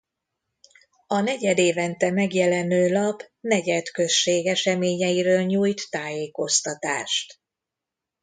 A negyedévente megjelenő lap Negyed község eseményeiről nyújt tájékoztatást.